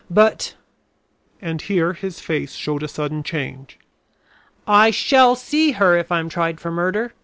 But " and here his face showed a sudden change, "I shall see her if I am tried for murder.